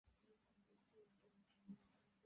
বিভার মনের ইচ্ছা আজই সংবাদ দেওয়া হয়।